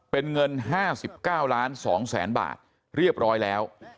เป็นเงิน๕๙ล้าน๒แสนบาทเรียบร้อยแล้ว